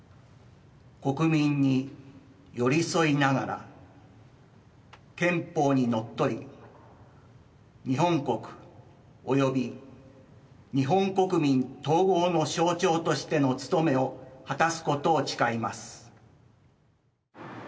国民に寄り添いながら憲法にのっとり日本国及び日本国民統合の象徴としてのつとめを果たすことを誓います。